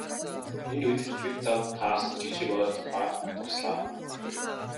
Энэ үед тэр замд таарсан жижиг ойн тухай дурслаа.